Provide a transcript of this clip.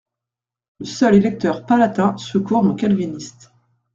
Le seul électeur palatin secourt nos calvinistes.